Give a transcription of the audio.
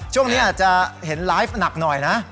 ช่วงนี้อาจจะเห็นไลฟ์หนักหน่อยนะ